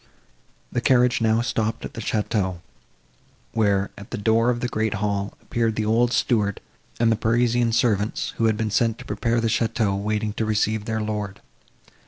The carriage now stopped at the château, where, at the door of the great hall, appeared the old steward and the Parisian servants, who had been sent to prepare the château, waiting to receive their lord.